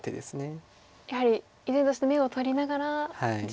やはり依然として眼を取りながら地を。